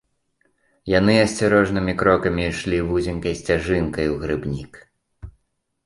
Яны асцярожнымі крокамі ішлі вузенькай сцяжынкай у грыбнік.